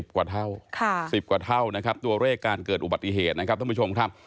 กว่าเท่า๑๐กว่าเท่านะครับตัวเลขการเกิดอุบัติเหตุนะครับท่านผู้ชมครับ